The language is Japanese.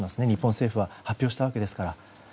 日本政府は発表したわけですから。